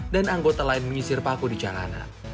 dan anggota lain menyisir paku di jalanan